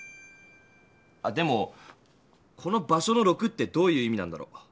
でもこの場所の「６」ってどういう意味なんだろう？